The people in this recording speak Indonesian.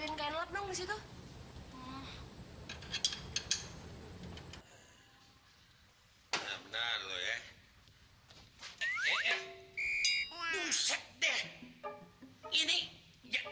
emangnya udah mau bersaing ya